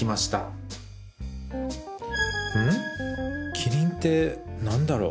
「キリン」って何だろう？